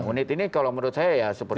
sepuluh unit ini kalau menurut saya ya seperti